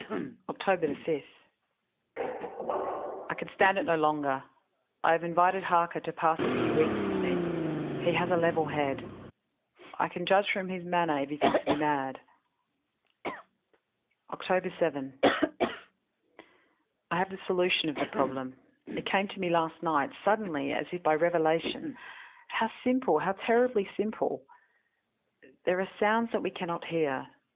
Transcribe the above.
"Oct. 5. I can stand it no longer; I have invited Harker to pass a few weeks with me he has a level head. I can judge from his manner if he thinks me mad. "Oct. 7. I have the solution of the problem; it came to me last night suddenly, as by revelation. How simple how terribly simple! "There are sounds that we can not hear.